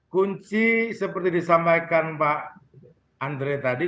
kunci seperti disampaikan pak andre tadi